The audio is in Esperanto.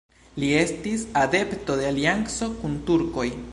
Li estis adepto de alianco kun turkoj.